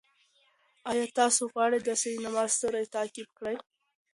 آیا تاسې غواړئ د سینما ستوری تعقیب کړئ؟